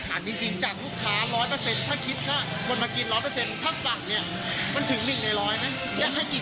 อ่ะจริงจากลูกค้า๑๐๐ถ้าคิดถ้าคนมากิน๑๐๐ถ้าสั่งเนี่ย